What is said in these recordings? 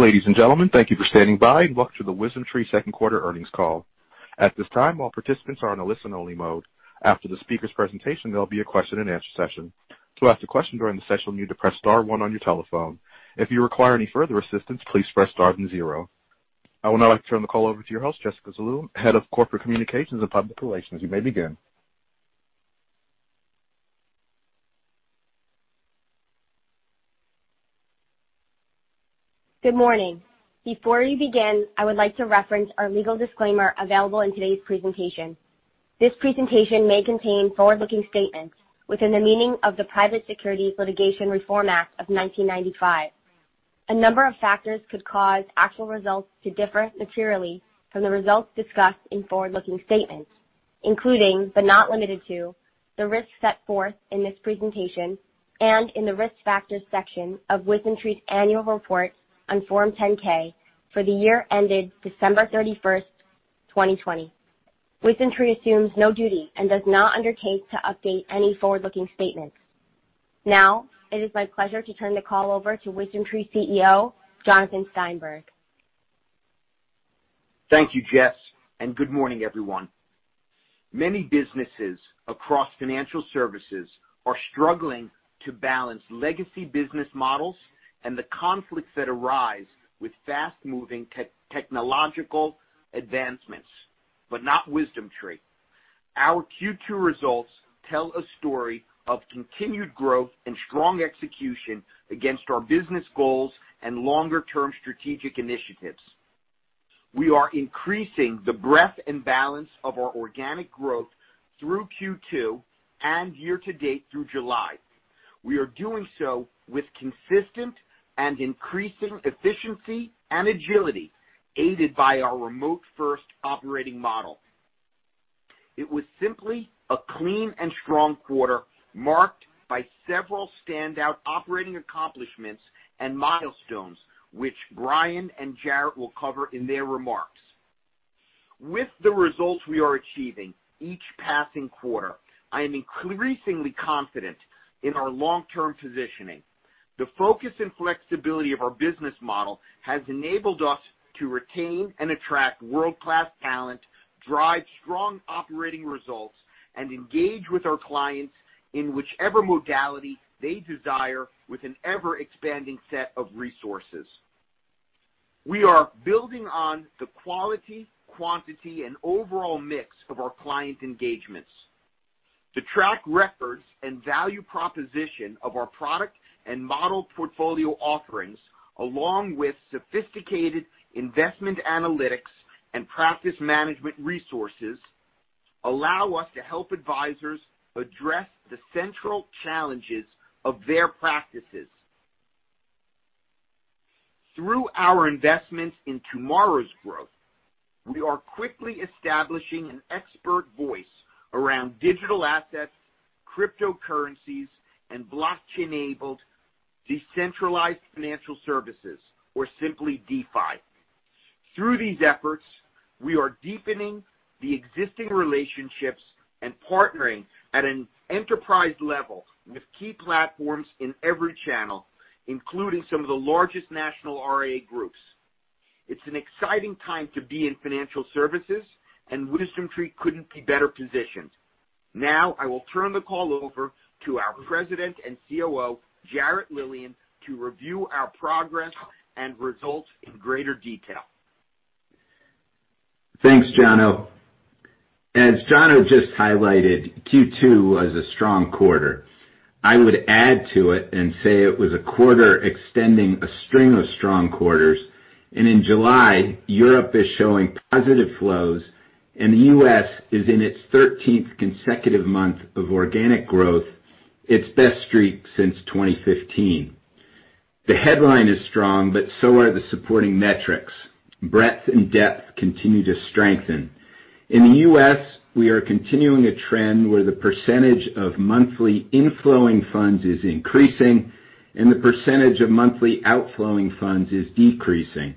Ladies and gentlemen, thank you for standing by and welcome to the WisdomTree second quarter earnings call. At this time, all participants are in a listen only mode. After the speakers' presentation, there'll be a question and answer session. To ask a question during the session, you'll need to press star one on your telephone. If you require any further assistance, please press star then zero. I would now like to turn the call over to your host, Jessica Zaloom, Head of Corporate Communications and Public Relations. You may begin. Good morning. Before we begin, I would like to reference our legal disclaimer available in today's presentation. This presentation may contain forward-looking statements within the meaning of the Private Securities Litigation Reform Act of 1995. A number of factors could cause actual results to differ materially from the results discussed in forward-looking statements, including, but not limited to, the risks set forth in this presentation and in the Risk Factors section of WisdomTree's annual report on Form 10-K for the year ended December 31st, 2020. WisdomTree assumes no duty and does not undertake to update any forward-looking statements. Now, it is my pleasure to turn the call over to WisdomTree CEO, Jonathan Steinberg. Thank you, Jess, and good morning, everyone. Many businesses across financial services are struggling to balance legacy business models and the conflicts that arise with fast-moving technological advancements, not WisdomTree. Our Q2 results tell a story of continued growth and strong execution against our business goals and longer-term strategic initiatives. We are increasing the breadth and balance of our organic growth through Q2 and year-to-date through July. We are doing so with consistent and increasing efficiency and agility, aided by our remote-first operating model. It was simply a clean and strong quarter marked by several standout operating accomplishments and milestones, which Bryan and Jarrett will cover in their remarks. With the results we are achieving each passing quarter, I am increasingly confident in our long-term positioning. The focus and flexibility of our business model has enabled us to retain and attract world-class talent, drive strong operating results, and engage with our clients in whichever modality they desire, with an ever-expanding set of resources. We are building on the quality, quantity, and overall mix of our client engagements. The track records and value proposition of our product and model portfolio offerings, along with sophisticated investment analytics and practice management resources, allow us to help advisors address the central challenges of their practices. Through our investments in tomorrow's growth, we are quickly establishing an expert voice around digital assets, cryptocurrencies, and blockchain-enabled decentralized financial services, or simply DeFi. Through these efforts, we are deepening the existing relationships and partnering at an enterprise level with key platforms in every channel, including some of the largest national RIA groups. It's an exciting time to be in financial services. WisdomTree couldn't be better positioned. Now, I will turn the call over to our President and COO, Jarrett Lilien, to review our progress and results in greater detail. Thanks, Jona. As Jona just highlighted, Q2 was a strong quarter. I would add to it and say it was a quarter extending a string of strong quarters. In July, Europe is showing positive flows and the U.S. is in its 13th consecutive month of organic growth, its best streak since 2015. The headline is strong, but so are the supporting metrics. Breadth and depth continue to strengthen. In the U.S., we are continuing a trend where the percentage of monthly inflowing funds is increasing and the percentage of monthly outflowing funds is decreasing.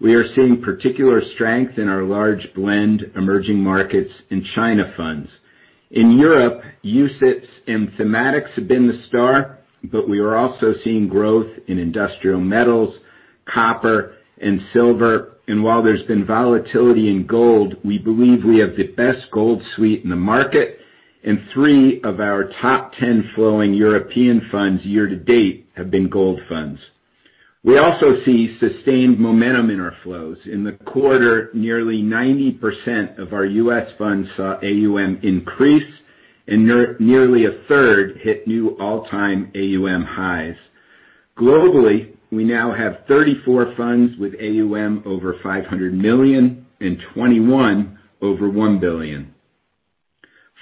We are seeing particular strength in our large blend emerging markets and China funds. In Europe, UCITS and thematics have been the star, but we are also seeing growth in industrial metals, copper, and silver. While there's been volatility in gold, we believe we have the best gold suite in the market. Three of our top 10 flowing European funds year to date have been gold funds. We also see sustained momentum in our flows. In the quarter, nearly 90% of our U.S. funds saw AUM increase and nearly 1/3 hit new all-time AUM highs. Globally, we now have 34 funds with AUM over $500 million and 21 over $1 billion.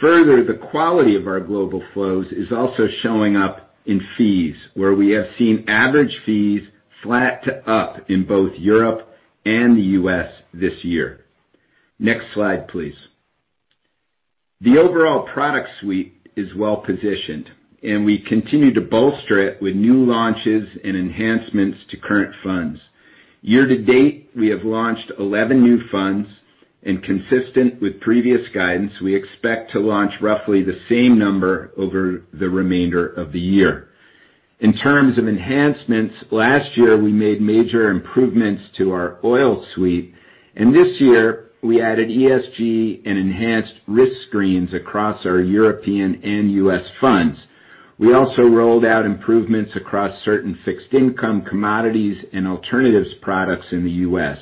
The quality of our global flows is also showing up in fees, where we have seen average fees flat to up in both Europe and the U.S. this year. Next slide, please. The overall product suite is well positioned, and we continue to bolster it with new launches and enhancements to current funds. Year to date, we have launched 11 new funds, and consistent with previous guidance, we expect to launch roughly the same number over the remainder of the year. In terms of enhancements, last year, we made major improvements to our oil suite. This year, we added ESG and enhanced risk screens across our European and U.S. funds. We also rolled out improvements across certain fixed income commodities and alternatives products in the U.S.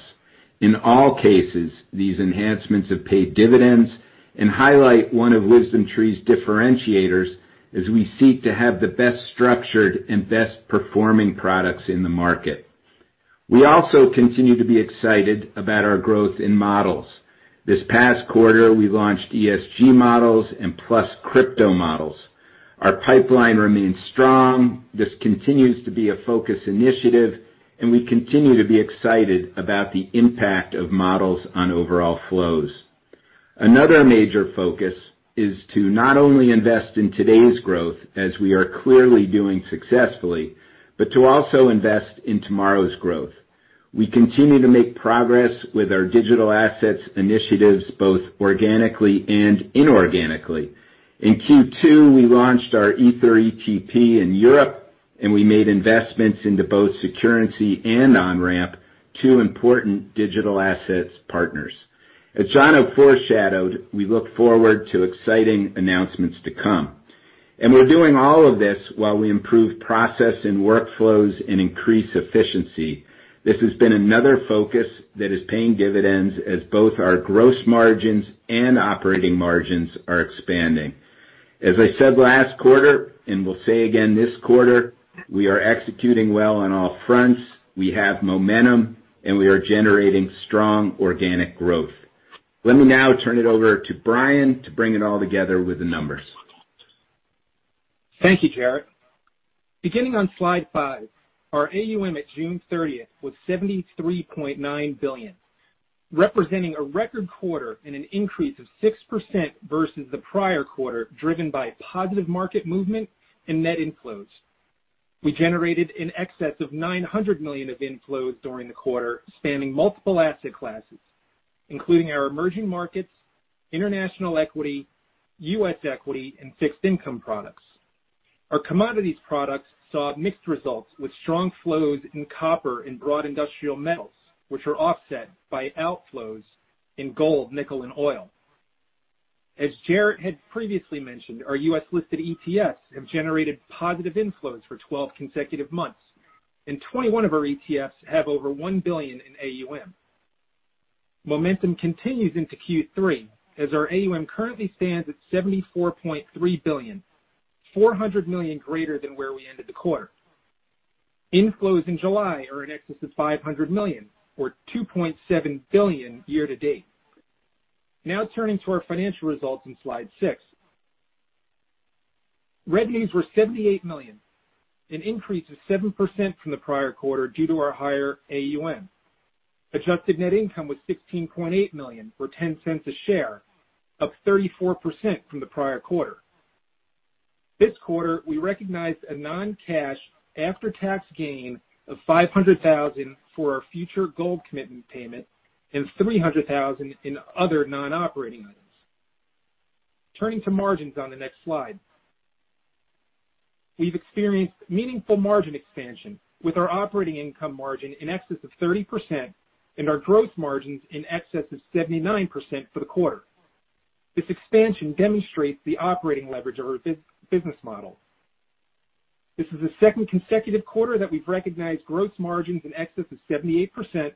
In all cases, these enhancements have paid dividends and highlight one of WisdomTree's differentiators as we seek to have the best structured and best-performing products in the market. We also continue to be excited about our growth in models. This past quarter, we launched ESG models and plus crypto models. Our pipeline remains strong. This continues to be a focus initiative. We continue to be excited about the impact of models on overall flows. Another major focus is to not only invest in today's growth, as we are clearly doing successfully, but to also invest in tomorrow's growth. We continue to make progress with our digital assets initiatives, both organically and inorganically. In Q2, we launched our Ether ETP in Europe, and we made investments into both Securrency and Onramp, two important digital assets partners. As Jono foreshadowed, we look forward to exciting announcements to come. We're doing all of this while we improve process and workflows and increase efficiency. This has been another focus that is paying dividends as both our gross margins and operating margins are expanding. As I said last quarter, and will say again this quarter, we are executing well on all fronts. We have momentum, and we are generating strong organic growth. Let me now turn it over to Bryan to bring it all together with the numbers. Thank you, Jarrett. Beginning on slide five, our AUM at June 30th was $73.9 billion, representing a record quarter and an increase of 6% versus the prior quarter, driven by positive market movement and net inflows. We generated in excess of $900 million of inflows during the quarter, spanning multiple asset classes, including our emerging markets, international equity, U.S. equity, and fixed income products. Our commodities products saw mixed results with strong flows in copper and broad industrial metals, which were offset by outflows in gold, nickel, and oil. As Jarrett had previously mentioned, our U.S.-listed ETFs have generated positive inflows for 12 consecutive months, and 21 of our ETFs have over 1 billion in AUM. Momentum continues into Q3, as our AUM currently stands at $74.3 billion, $400 million greater than where we ended the quarter. Inflows in July are in excess of $500 million, or $2.7 billion year-to-date. Turning to our financial results on slide six. Revenues were $78 million, an increase of 7% from the prior quarter due to our higher AUM. Adjusted net income was $16.8 million, or $0.10 a share, up 34% from the prior quarter. This quarter, we recognized a non-cash after-tax gain of $500,000 for our future gold commitment payment and $300,000 in other non-operating items. Turning to margins on the next slide. We've experienced meaningful margin expansion with our operating income margin in excess of 30% and our gross margins in excess of 79% for the quarter. This expansion demonstrates the operating leverage of our business model. This is the second consecutive quarter that we've recognized gross margins in excess of 78%,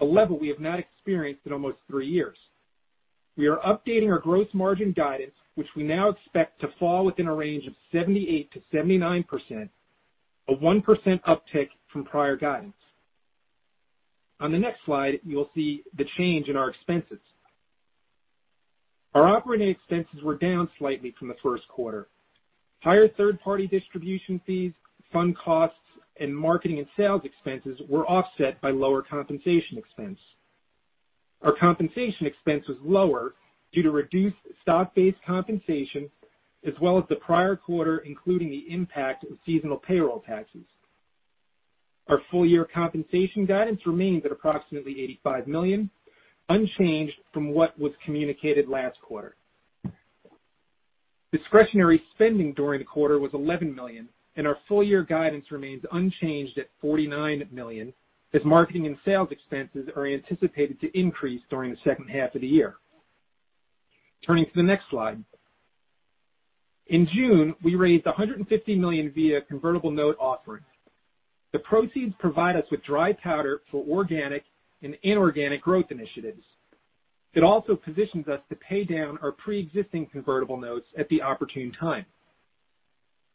a level we have not experienced in almost 3 years. We are updating our gross margin guidance, which we now expect to fall within a range of 78%-79%, a 1% uptick from prior guidance. On the next slide, you'll see the change in our expenses. Our operating expenses were down slightly from the first quarter. Higher third-party distribution fees, fund costs, and marketing and sales expenses were offset by lower compensation expense. Our compensation expense was lower due to reduced stock-based compensation, as well as the prior quarter, including the impact of seasonal payroll taxes. Our full-year compensation guidance remains at approximately $85 million, unchanged from what was communicated last quarter. Discretionary spending during the quarter was $11 million, and our full-year guidance remains unchanged at $49 million, as marketing and sales expenses are anticipated to increase during the second half of the year. Turning to the next slide. In June, we raised $150 million via a convertible note offering. The proceeds provide us with dry powder for organic and inorganic growth initiatives. It also positions us to pay down our preexisting convertible notes at the opportune time.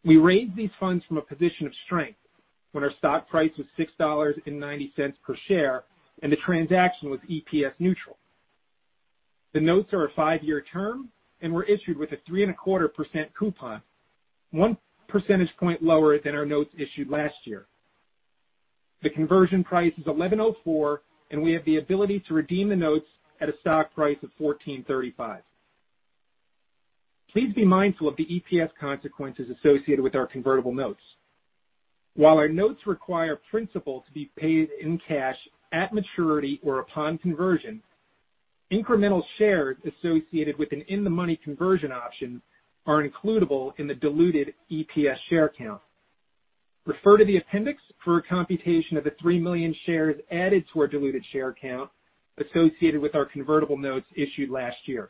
We raised these funds from a position of strength when our stock price was $6.90 per share, and the transaction was EPS neutral. The notes are a five-year term and were issued with a 3.25% coupon, 1 percentage point lower than our notes issued last year. The conversion price is $11.04, and we have the ability to redeem the notes at a stock price of $14.35. Please be mindful of the EPS consequences associated with our convertible notes. While our notes require principal to be paid in cash at maturity or upon conversion, incremental shares associated with an in-the-money conversion option are includable in the diluted EPS share count. Refer to the appendix for a computation of the 3 million shares added to our diluted share count associated with our convertible notes issued last year.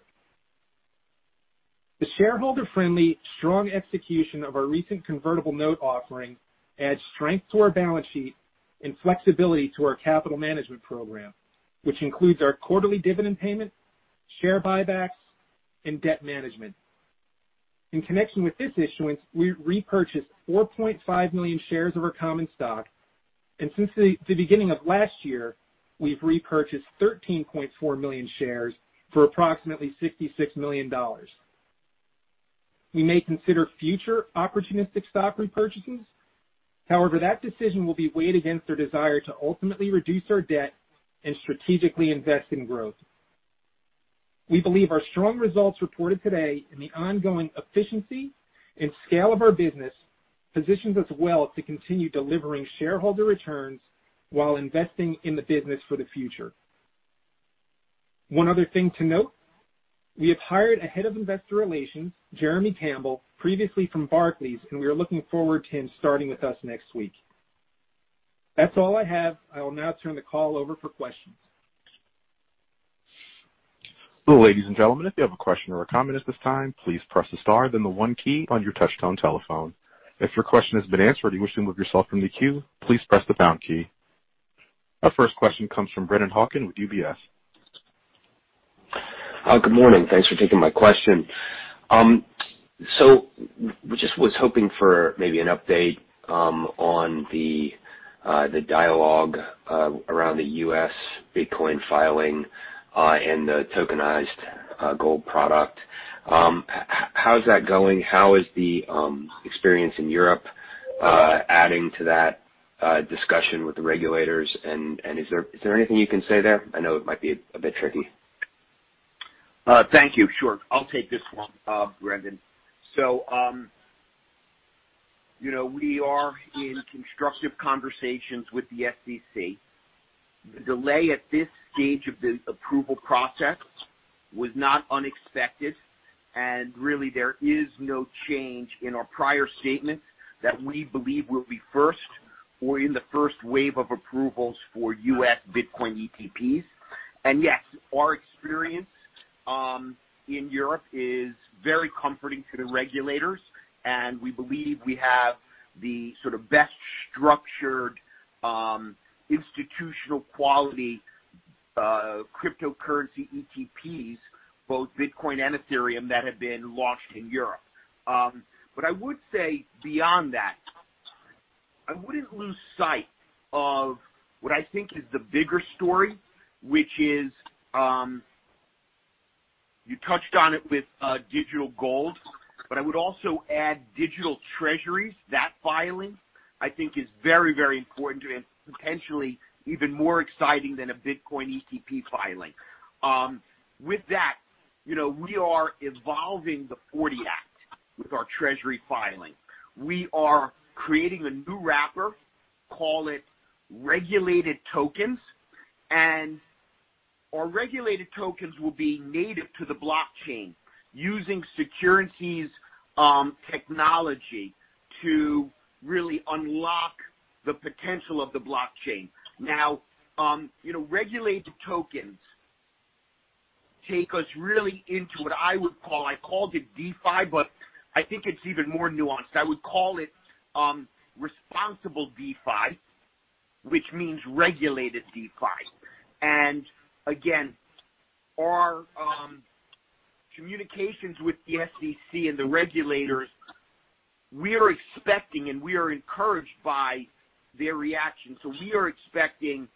The shareholder-friendly strong execution of our recent convertible note offering adds strength to our balance sheet and flexibility to our capital management program, which includes our quarterly dividend payment, share buybacks, and debt management. In connection with this issuance, we repurchased 4.5 million shares of our common stock, and since the beginning of last year, we've repurchased 13.4 million shares for approximately $66 million. We may consider future opportunistic stock repurchases. However, that decision will be weighed against our desire to ultimately reduce our debt and strategically invest in growth. We believe our strong results reported today and the ongoing efficiency and scale of our business positions us well to continue delivering shareholder returns while investing in the business for the future. One other thing to note, we have hired a head of investor relations, Jeremy Campbell, previously from Barclays, and we are looking forward to him starting with us next week. That's all I have. I will now turn the call over for questions. Ladies and gentlemen, if you have a question or a comment at this time, please press the star, then the one key on your touchtone telephone. If your question has been answered and you wish to remove yourself from the queue, please press the pound key. Our first question comes from Brennan Hawken with UBS. Good morning. Thanks for taking my question. Just was hoping for maybe an update on the dialogue around the U.S. Bitcoin filing and the tokenized gold product. How's that going? How is the experience in Europe adding to that discussion with the regulators? Is there anything you can say there? I know it might be a bit tricky. Thank you. Sure. I'll take this one, Brennan. We are in constructive conversations with the SEC. The delay at this stage of the approval process was not unexpected, and really there is no change in our prior statement that we believe we'll be first or in the first wave of approvals for U.S. Bitcoin ETPs. Yes, our experience in Europe is very comforting to the regulators, and we believe we have the sort of best-structured, institutional-quality cryptocurrency ETPs, both Bitcoin and Ethereum, that have been launched in Europe. I would say beyond that, I wouldn't lose sight of what I think is the bigger story, which is, you touched on it with digital gold, but I would also add digital Treasuries. That filing, I think is very, very important and potentially even more exciting than a Bitcoin ETP filing. With that, we are evolving the 1940 Act with our Treasury filing. We are creating a new wrapper, call it regulated tokens, and our regulated tokens will be native to the blockchain, using securities technology to really unlock the potential of the blockchain. Regulated tokens take us really into what I would call, I called it DeFi, but I think it's even more nuanced. I would call it responsible DeFi, which means regulated DeFi. Again, our communications with the SEC and the regulators, we are expecting, and we are encouraged by their reaction. We are expecting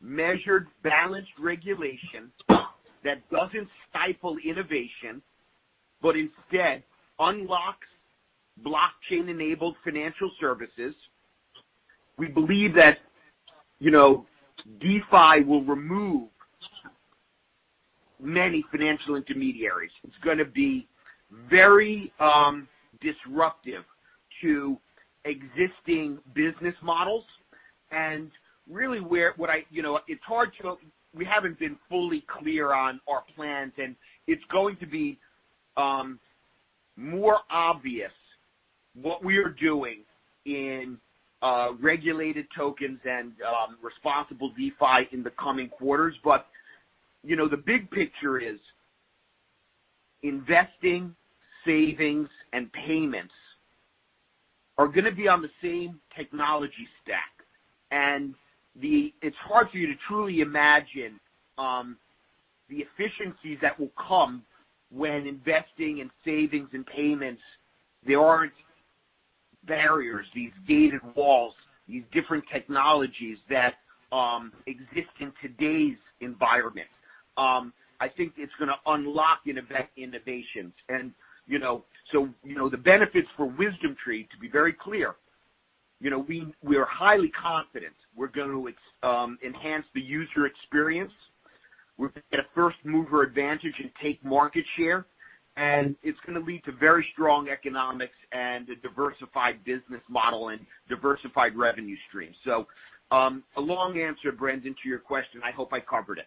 measured, balanced regulation that doesn't stifle innovation, but instead unlocks blockchain-enabled financial services. We believe that DeFi will remove many financial intermediaries. It's going to be very disruptive to existing business models. Really, we haven't been fully clear on our plans, and it's going to be more obvious what we're doing in regulated tokens and responsible DeFi in the coming quarters. The big picture is investing, savings, and payments are going to be on the same technology stack. It's hard for you to truly imagine the efficiencies that will come when investing in savings and payments. There aren't barriers, these gated walls, these different technologies that exist in today's environment. I think it's going to unlock innovations. The benefits for WisdomTree, to be very clear. We are highly confident we're going to enhance the user experience. We're going to get a first-mover advantage and take market share, and it's going to lead to very strong economics and a diversified business model and diversified revenue stream. A long answer, Brennan, to your question. I hope I covered it.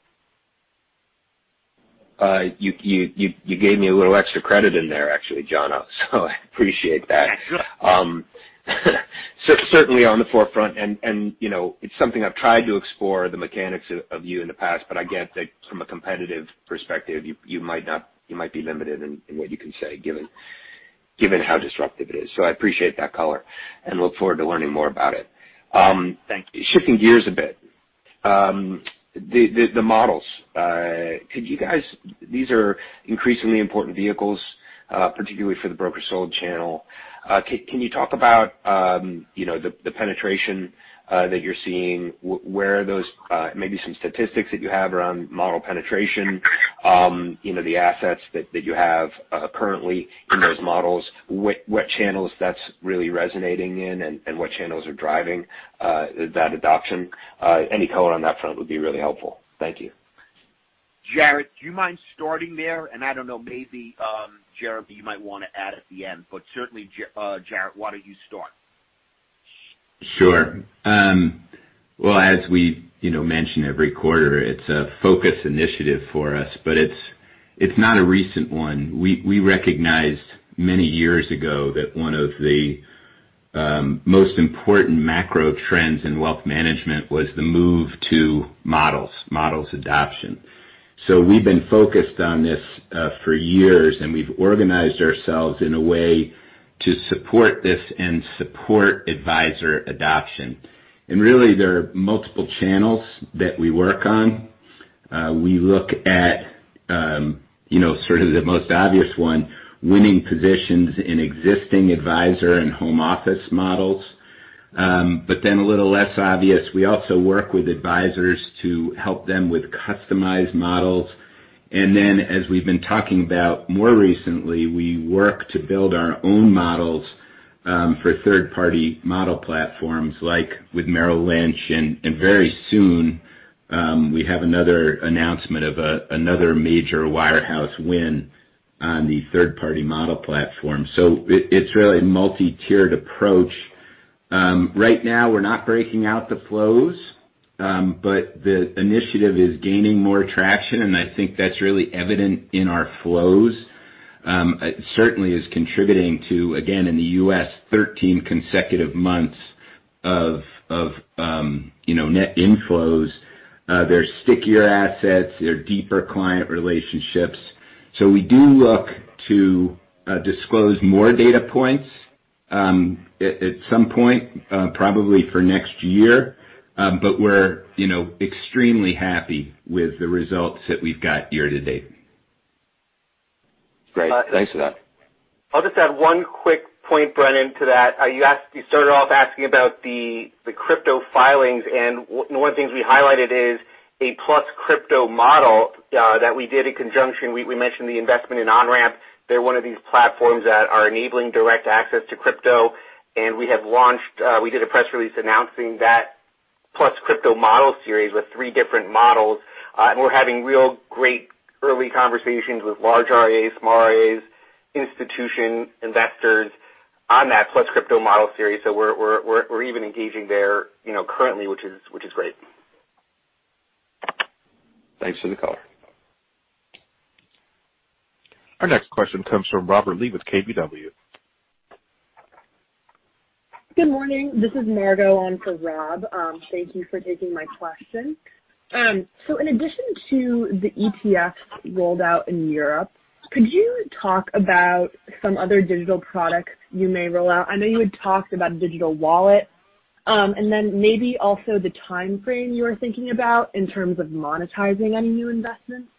You gave me a little extra credit in there actually, Jona. I appreciate that. That's good. Certainly on the forefront, and it's something I've tried to explore, the mechanics of you in the past, but I get that from a competitive perspective, you might be limited in what you can say given how disruptive it is. I appreciate that color and look forward to learning more about it. Thank you. Shifting gears a bit. The models. These are increasingly important vehicles, particularly for the broker sold channel. Can you talk about the penetration that you're seeing, maybe some statistics that you have around model penetration, the assets that you have currently in those models, what channels that's really resonating in, and what channels are driving that adoption? Any color on that front would be really helpful. Thank you. Jarrett, do you mind starting there? I don't know, maybe, Jeremy, you might want to add at the end, but certainly, Jarrett, why don't you start? Sure. As we mention every quarter, it's a focus initiative for us, but it's not a recent one. We recognized many years ago that one of the most important macro trends in wealth management was the move to models adoption. We've been focused on this for years, and we've organized ourselves in a way to support this and support advisor adoption. Really, there are multiple channels that we work on. We look at sort of the most obvious one, winning positions in existing advisor and home office models. A little less obvious, we also work with advisors to help them with customized models. As we've been talking about more recently, we work to build our own models for third-party model platforms, like with Merrill Lynch. Very soon, we have another announcement of another major wirehouse win on the third-party model platform. It's really a multi-tiered approach. Right now, we're not breaking out the flows, but the initiative is gaining more traction, and I think that's really evident in our flows. It certainly is contributing to, again, in the U.S., 13 consecutive months of net inflows. They're stickier assets. They're deeper client relationships. We do look to disclose more data points at some point, probably for next year. We're extremely happy with the results that we've got year to date. Great. Thanks for that. I'll just add one quick point, Brennan, to that. You started off asking about the crypto filings, and one of the things we highlighted is a plus crypto model that we did in conjunction. We mentioned the investment in Onramp. They're one of these platforms that are enabling direct access to crypto. We did a press release announcing that plus crypto model series with three different models. We're having real great early conversations with large RIAs, small RIAs, institution investors on that plus crypto model series. We're even engaging there currently, which is great. Thanks for the color. Our next question comes from Robert Lee with KBW. Good morning. This is Margo on for Rob. Thank you for taking my question. In addition to the ETF rolled out in Europe, could you talk about some other digital products you may roll out? I know you had talked about a digital wallet. Maybe also the timeframe you are thinking about in terms of monetizing any new investments.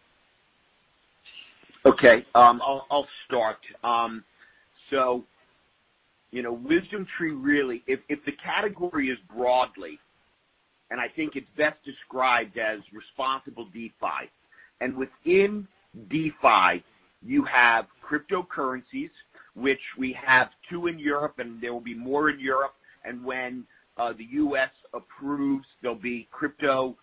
Okay. I'll start. WisdomTree, really, if the category is broadly, and I think it's best described as responsible DeFi. Within DeFi, you have cryptocurrencies, which we have two in Europe, and there will be more in Europe. When the U.S. approves, there'll be crypto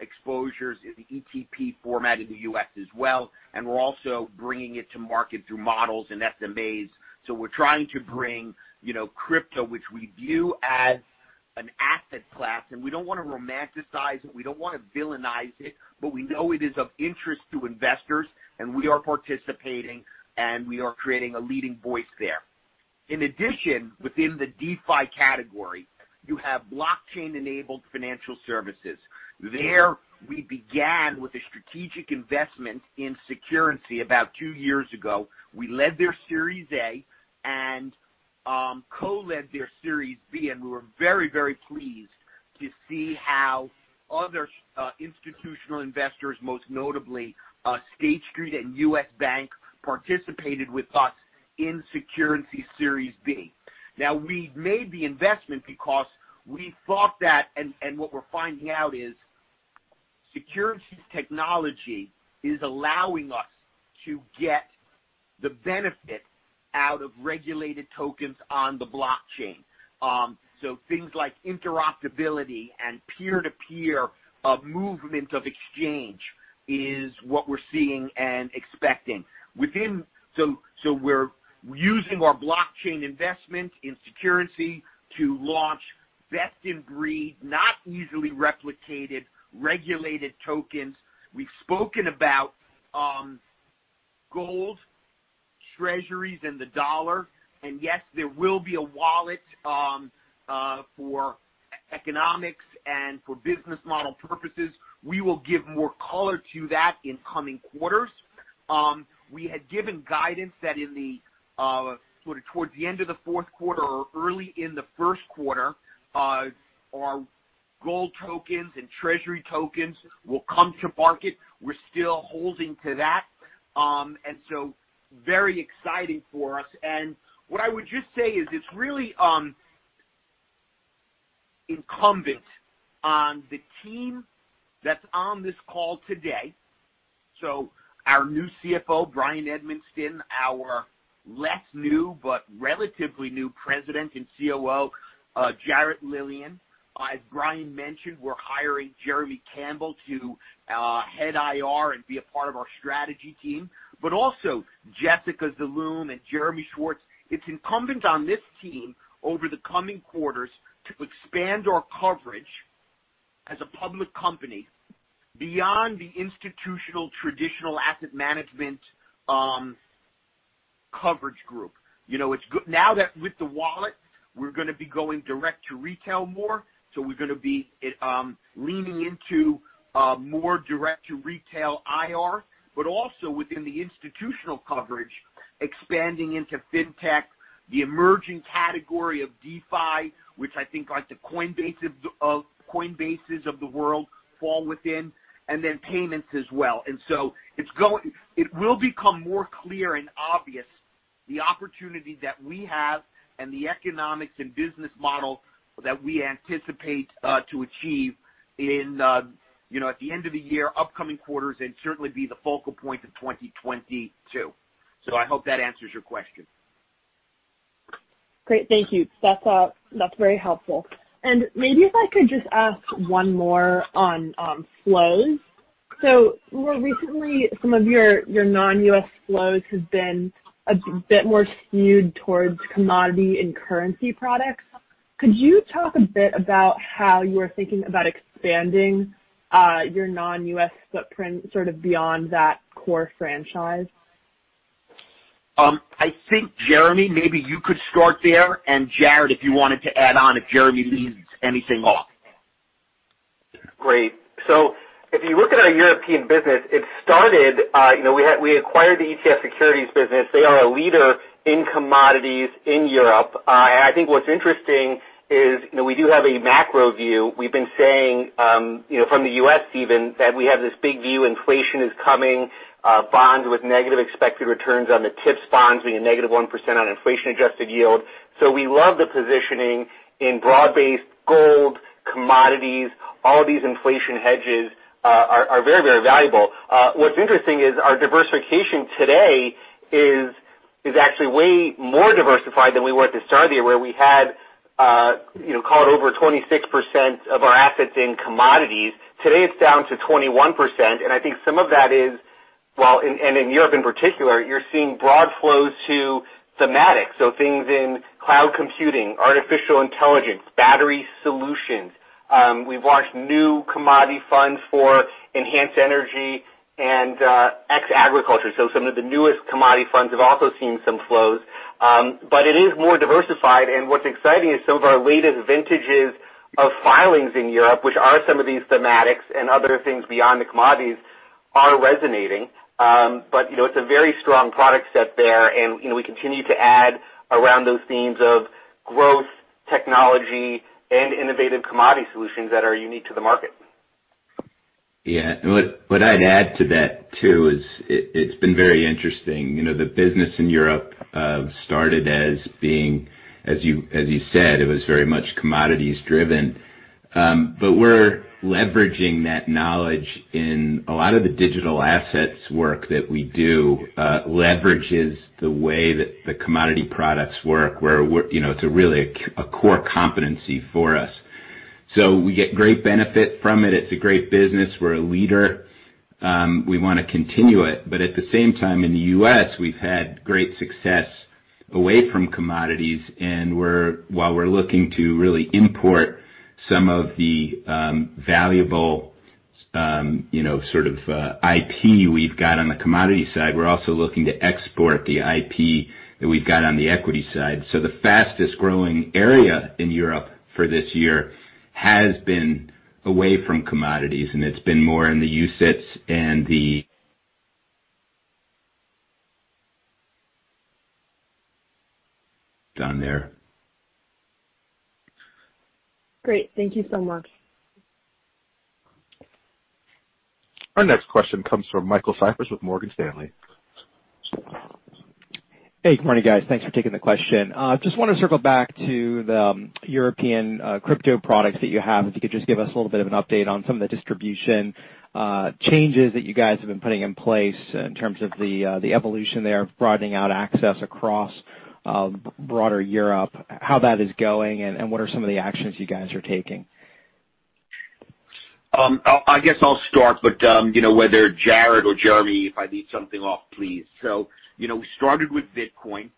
exposures in the ETP format in the U.S. as well. We're also bringing it to market through models and SMAs. We're trying to bring crypto, which we view as an asset class. We don't want to romanticize it. We don't want to villainize it. We know it is of interest to investors, and we are participating, and we are creating a leading voice there. In addition, within the DeFi category, you have blockchain-enabled financial services. There, we began with a strategic investment in Securrency about two years ago. We led their Series A and co-led their Series B. We were very pleased to see how other institutional investors, most notably State Street and U.S. Bank, participated with us in Securrency Series B. We made the investment because we thought that, and what we're finding out is Securrency's technology is allowing us to get the benefit out of regulated tokens on the blockchain. Things like interoperability and peer-to-peer movement of exchange is what we're seeing and expecting. We're using our blockchain investment in Securrency to launch best-in-breed, not easily replicated, regulated tokens. We've spoken about gold treasuries and the dollar. Yes, there will be a wallet for economics and for business model purposes. We will give more color to that in coming quarters. We had given guidance that towards the end of the fourth quarter or early in the first quarter, our gold tokens and treasury tokens will come to market. We're still holding to that. Very exciting for us. What I would just say is it's really incumbent on the team that's on this call today. Our new CFO, Bryan Edmiston, our less new but relatively new President and COO, Jarrett Lilien. As Bryan mentioned, we're hiring Jeremy Campbell to head IR and be a part of our strategy team. Also Jessica Zaloom and Jeremy Schwartz. It's incumbent on this team over the coming quarters to expand our coverage as a public company beyond the institutional traditional asset management coverage group. Now that with the wallet, we're going to be going direct to retail more, so we're going to be leaning into more direct to retail IR. Also within the institutional coverage, expanding into Fintech, the emerging category of DeFi, which I think like the Coinbases of the world fall within, and then payments as well. It will become more clear and obvious the opportunity that we have and the economics and business model that we anticipate to achieve at the end of the year, upcoming quarters, and certainly be the focal point of 2022. I hope that answers your question. Great. Thank you. That's very helpful. Maybe if I could just ask one more on flows. More recently, some of your non-U.S. flows have been a bit more skewed towards commodity and currency products. Could you talk a bit about how you are thinking about expanding your non-U.S. footprint sort of beyond that core franchise? I think Jeremy, maybe you could start there, and Jarrett, if you wanted to add on if Jeremy leaves anything off. Great. If you look at our European business, we acquired the ETF Securities business. They are a leader in commodities in Europe. I think what's interesting is we do have a macro view. We've been saying, from the U.S. even, that we have this big view, inflation is coming, bonds with negative expected returns on the TIPS bonds, we have -1% on inflation-adjusted yield. We love the positioning in broad-based gold, commodities, all of these inflation hedges are very, very valuable. What's interesting is our diversification today is actually way more diversified than we were at the start of the year, where we had call it over 26% of our assets in commodities. Today, it's down to 21%. I think some of that is, in Europe in particular, you're seeing broad flows to thematic, so things in cloud computing, artificial intelligence, battery solutions. We've launched new commodity funds for enhanced energy and ex-agriculture. Some of the newest commodity funds have also seen some flows. It is more diversified, and what's exciting is some of our latest vintages of filings in Europe, which are some of these thematics and other things beyond the commodities, are resonating. It's a very strong product set there, and we continue to add around those themes of growth, technology, and innovative commodity solutions that are unique to the market. Yeah. What I'd add to that, too, is it's been very interesting. The business in Europe started as being, as you said, it was very much commodities driven. We're leveraging that knowledge in a lot of the digital assets work that we do, leverages the way that the commodity products work, where it's really a core competency for us. We get great benefit from it. It's a great business. We're a leader. We want to continue it. At the same time, in the U.S., we've had great success away from commodities, and while we're looking to really import some of the valuable sort of IP we've got on the commodity side, we're also looking to export the IP that we've got on the equity side. The fastest-growing area in Europe for this year has been away from commodities, and it's been more in the UCITS and the down there. Great. Thank you so much. Our next question comes from Michael Cyprys with Morgan Stanley. Hey, good morning, guys. Thanks for taking the question. Just want to circle back to the European crypto products that you have. If you could just give us a little bit of an update on some of the distribution changes that you guys have been putting in place in terms of the evolution there of broadening out access across broader Europe. How that is going, what are some of the actions you guys are taking? I guess I'll start, whether Jarrett or Jeremy, if I lead something off, please. We started with Bitcoin.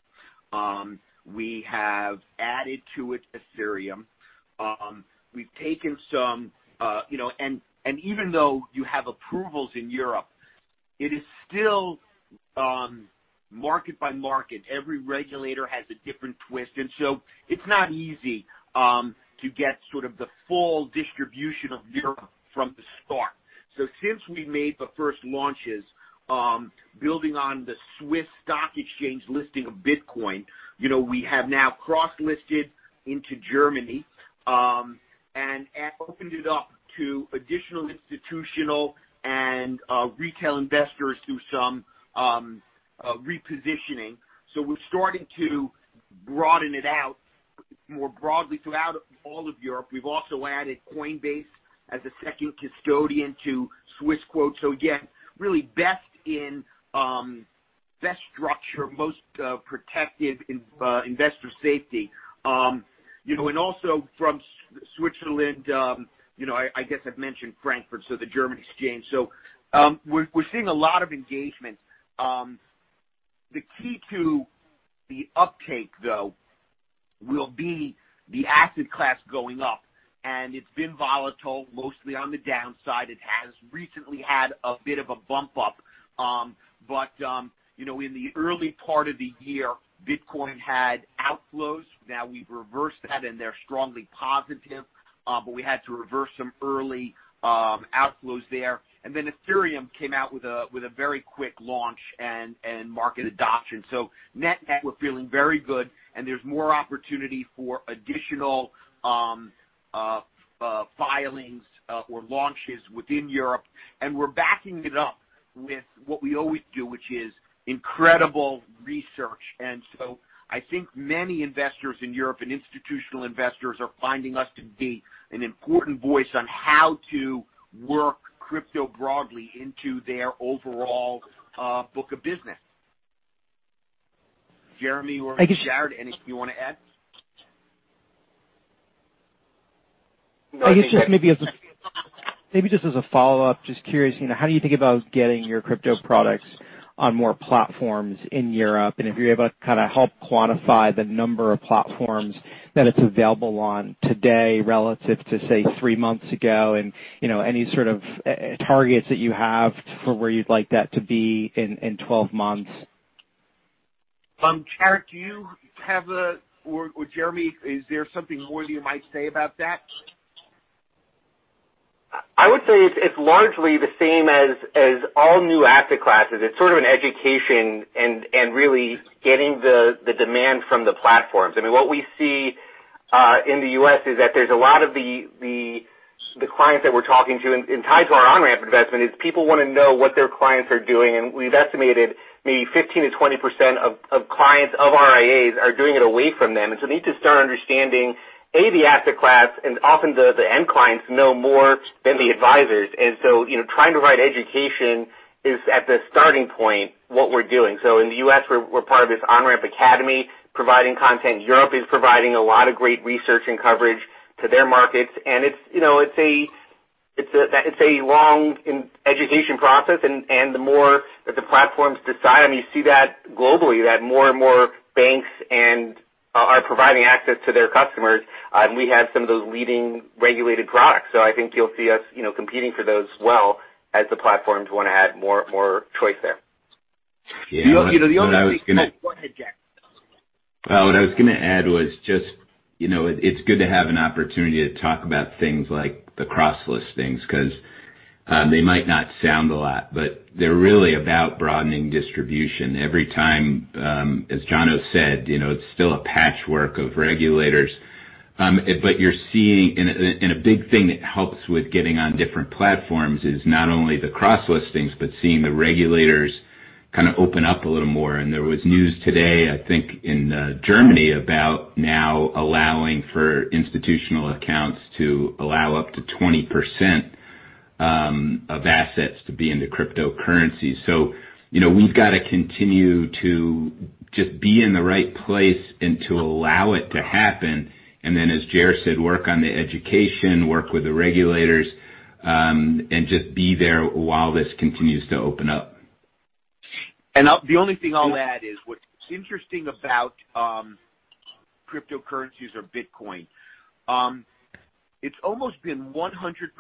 We have added to it Ethereum. Even though you have approvals in Europe, it is still market-by-market. Every regulator has a different twist, it's not easy to get sort of the full distribution of Europe from the start. Since we made the first launches, building on the SIX Swiss Exchange listing of Bitcoin, we have now cross-listed into Germany, and opened it up to additional institutional and retail investors through some repositioning. We're starting to broaden it out more broadly throughout all of Europe. We've also added Coinbase as a second custodian to Swissquote. Again, really best in best structure, most protective investor safety. Also from Switzerland, I guess I've mentioned Frankfurt, the German exchange. We're seeing a lot of engagement. The key to the uptake, though, will be the asset class going up, and it's been volatile, mostly on the downside. It has recently had a bit of a bump up. In the early part of the year, Bitcoin had outflows. Now we've reversed that and they're strongly positive. We had to reverse some early outflows there. Ethereum came out with a very quick launch and market adoption. Net-net, we're feeling very good and there's more opportunity for additional filings or launches within Europe. We're backing it up with what we always do, which is incredible research. I think many investors in Europe and institutional investors are finding us to be an important voice on how to work crypto broadly into their overall book of business. Jeremy or Jarrett, anything you want to add? I guess maybe just as a follow-up, just curious, how do you think about getting your crypto products on more platforms in Europe? If you're able to kind of help quantify the number of platforms that it's available on today relative to, say, three months ago, and any sort of targets that you have for where you'd like that to be in 12 months? Jarrett, Or Jeremy, is there something more you might say about that? I would say it's largely the same as all new asset classes. It's sort of an education and really getting the demand from the platforms. I mean, what we see in the U.S. is that there's a lot of the clients that we're talking to, and tied to our Onramp Invest, is people want to know what their clients are doing. We've estimated maybe 15%-20% of clients of RIAs are doing it away from them. Need to start understanding, A, the asset class, and often the end clients know more than the advisors. Trying to provide education is at the starting point what we're doing. In the U.S., we're part of this Onramp Academy providing content. Europe is providing a lot of great research and coverage to their markets. It's a long education process. The more that the platforms decide, I mean, you see that globally, that more and more banks are providing access to their customers. We have some of those leading regulated products. I think you'll see us competing for those well as the platforms want to add more choice there. The only thing- Go ahead, Jarrett. What I was going to add was just, it's good to have an opportunity to talk about things like the cross-listings because they might not sound a lot, but they're really about broadening distribution every time. As Jona said, it's still a patchwork of regulators. A big thing that helps with getting on different platforms is not only the cross-listings, but seeing the regulators kind of open up a little more. There was news today, I think, in Germany about now allowing for institutional accounts to allow up to 20% of assets to be into cryptocurrency. We've got to continue to just be in the right place and to allow it to happen. Then, as Jer said, work on the education, work with the regulators, and just be there while this continues to open up. The only thing I'll add is what's interesting about cryptocurrencies or Bitcoin. It's almost been 100%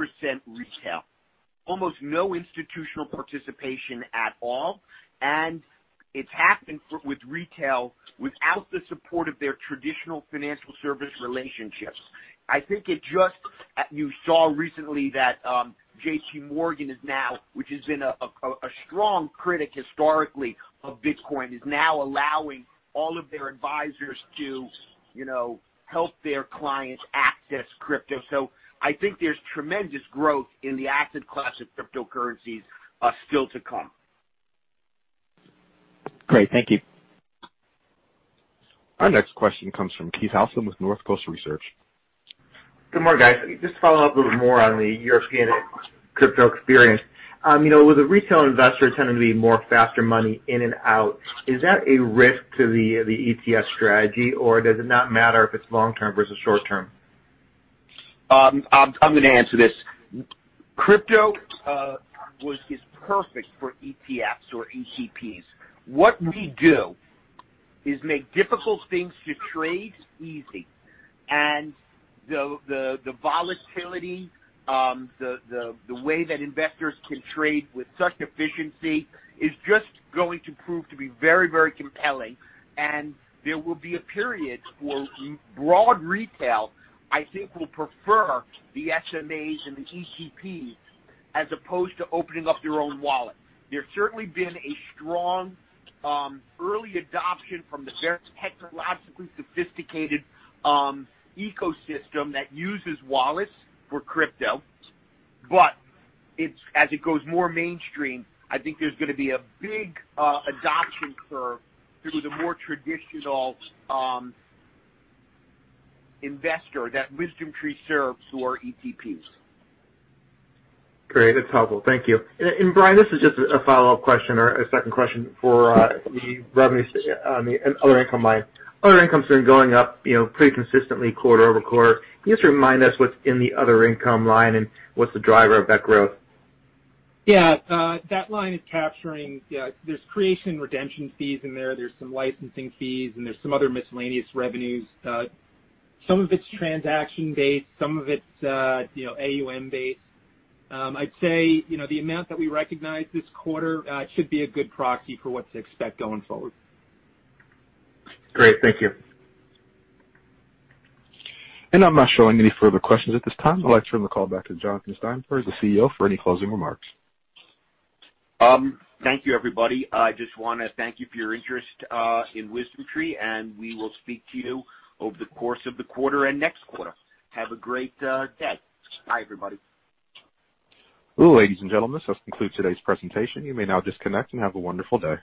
retail. Almost no institutional participation at all. It's happened with retail without the support of their traditional financial service relationships. You saw recently that JPMorgan, which has been a strong critic historically of Bitcoin, is now allowing all of their advisors to help their clients access crypto. I think there's tremendous growth in the asset class of cryptocurrencies still to come. Great. Thank you. Our next question comes from Keith Housum with North Coast Research. Good morning, guys. Just to follow up a little more on the European crypto experience. With the retail investor tending to be more faster money in and out, is that a risk to the ETF strategy, or does it not matter if it's long-term versus short-term? I'm going to answer this. Crypto is perfect for ETFs or ETPs. What we do is make difficult things to trade easy, the volatility, the way that investors can trade with such efficiency is just going to prove to be very compelling. There will be a period where broad retail, I think, will prefer the SMAs and the ETPs as opposed to opening up their own wallet. There's certainly been a strong early adoption from the very technologically sophisticated ecosystem that uses wallets for crypto. As it goes more mainstream, I think there's going to be a big adoption curve to the more traditional investor that WisdomTree serves through our ETPs. Great. That's helpful. Thank you. Bryan, this is just a follow-up question or a second question for the revenues on the other income line. Other income's been going up pretty consistently quarter-over-quarter. Can you just remind us what's in the other income line and what's the driver of that growth? Yeah. That line is capturing There's creation redemption fees in there. There's some licensing fees, and there's some other miscellaneous revenues. Some of it's transaction based, some of it's AUM based. I'd say, the amount that we recognize this quarter should be a good proxy for what to expect going forward. Great. Thank you. I'm not showing any further questions at this time. I'd like to turn the call back to Jonathan Steinberg, the CEO, for any closing remarks. Thank you, everybody. I just want to thank you for your interest in WisdomTree, and we will speak to you over the course of the quarter and next quarter. Have a great day. Bye, everybody. Well, ladies and gentlemen, this concludes today's presentation. You may now disconnect, and have a wonderful day.